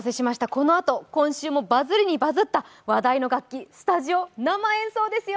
このあと、今週、バズりにバズった話題の楽器、スタジオ生演奏ですよ！